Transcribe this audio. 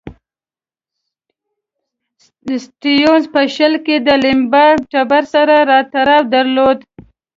سټیونز په شل کې د لیمبا ټبر سره تړاو درلود.